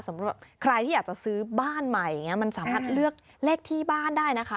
สำหรับใครที่อยากจะซื้อบ้านใหม่อย่างนี้มันสามารถเลือกเลขที่บ้านได้นะคะ